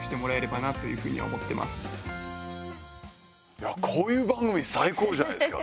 いや、こういう番組最高じゃないですか。